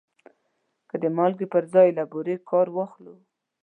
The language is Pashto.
که د مالګې پر ځای له بورې کار واخلو.